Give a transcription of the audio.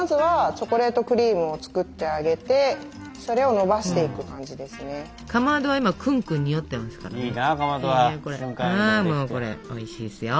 ああもうこれおいしいですよ。